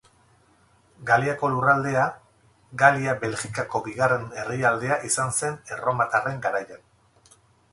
Galiako lurraldea, Galia Belgikako bigarren herrialdea izan zen erromatarren garaian.